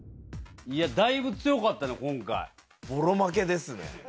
いや、だいぶ強かったね、ぼろ負けですね。